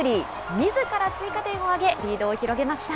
みずから追加点を挙げ、リードを広げました。